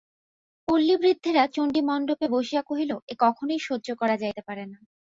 পল্লীবৃদ্ধেরা চণ্ডীমণ্ডপে বসিয়া কহিল, এ কখনোই সহ্য করা যাইতে পারে না।